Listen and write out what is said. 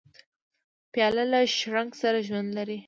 پیاله له شرنګ سره ژوند لري.